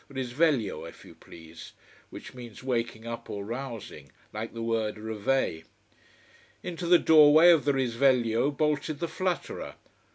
Risveglio if you please: which means waking up or rousing, like the word reveille. Into the doorway of the Risveglio bolted the flutterer.